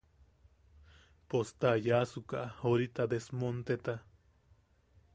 Pos ta ayaʼasuka orita desmonteta.